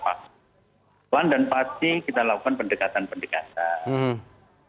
puan dan pak kita lakukan pendekatan pendekatan